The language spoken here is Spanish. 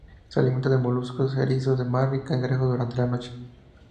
Se alimenta de moluscos, erizos de mar y cangrejos durante la noche.